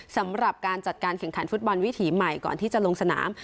สำหรับการจัดการแข่งขันฟุตบอลวิถีใหม่ก่อนที่จะลงสนาม